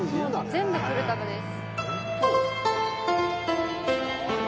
全部プルタブです。